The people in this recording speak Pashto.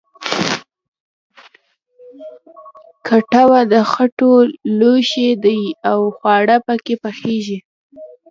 کټوه د خټو لوښی دی چې خواړه پکې پخیږي